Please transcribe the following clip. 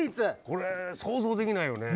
これ想像できないよね。